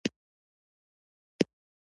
د کوچني ورور عصمت زهیر په وینا.